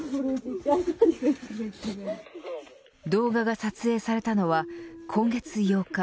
動画が撮影されたのは今月８日。